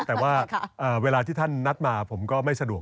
แต่ว่าเวลาที่ท่านนัดมาผมก็ไม่สะดวก